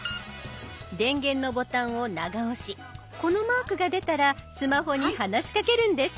電源のボタンを長押しこのマークが出たらスマホに話しかけるんです。